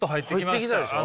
入ってきたでしょ。